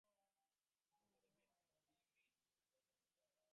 শুভ বড়দিন, কিমি।